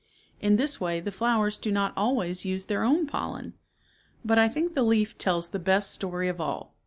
In this way the flowers do not always use their own pollen. But I think the leaf tells the best story of all.